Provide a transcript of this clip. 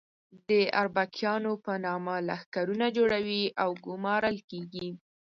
د اربکیانو په نامه لښکرونه جوړوي او ګومارل کېږي.